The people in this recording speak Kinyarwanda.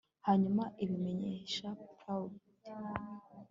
hanyuma abimenyesha pound